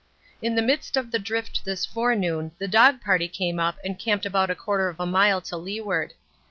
In the midst of the drift this forenoon the dog party came up and camped about a quarter of a mile to leeward.